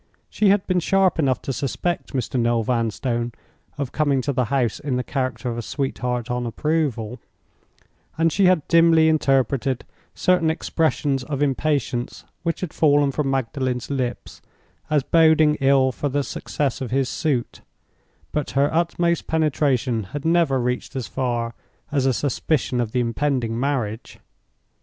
She had been sharp enough to suspect Mr. Noel Vanstone of coming to the house in the character of a sweetheart on approval; and she had dimly interpreted certain expressions of impatience which had fallen from Magdalen's lips as boding ill for the success of his suit, but her utmost penetration had never reached as far as a suspicion of the impending marriage.